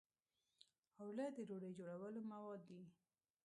اوړه د ډوډۍ جوړولو مواد دي